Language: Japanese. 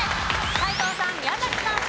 斎藤さん宮崎さん